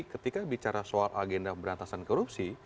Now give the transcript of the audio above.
ketika bicara soal agenda berantasan korupsi